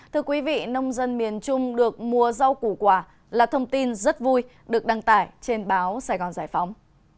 thưa quý vị nông dân miền trung được mua rau củ quả là thông tin rất vui được đăng tải trên báo sài gòn giải phóng